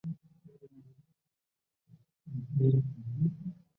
埃利早年在巴西的格雷米奥接受青训。